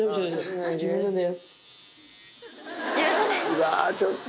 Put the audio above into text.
うわちょっと。